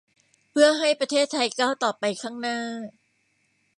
เพื่อให้ประเทศไทยก้าวต่อไปข้างหน้า